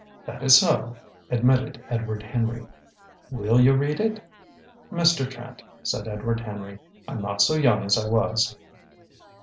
"That is so," admitted Edward Henry. "Will you read it?" "Mr. Trent," said Edward Henry. "I'm not so young as I was."